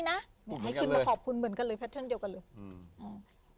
เนี้ยให้คิมมาขอบคุณเหมือนกันเลยแพทเทิร์นเดียวกันเลยอืมอ่า